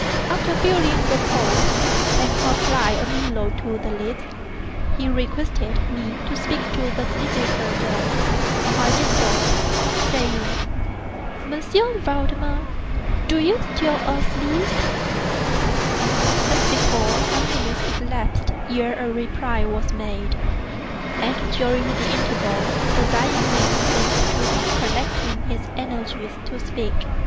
After feeling the pulse and applying a mirror to the lips, he requested me to speak to the sleep waker again. I did so, saying: "M. Valdemar, do you still sleep?" As before, some minutes elapsed ere a reply was made; and during the interval the dying man seemed to be collecting his energies to speak.